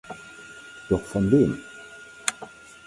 Doch von wem?